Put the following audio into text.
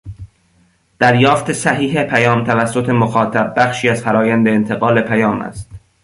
دریافت صحیح پیام توسط مخاطب بخشی از فرآیند انتقال پیام است